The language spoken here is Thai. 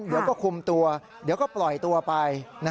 เดี๋ยวก็คุมตัวเดี๋ยวก็ปล่อยตัวไป